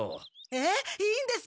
えっいいんですか？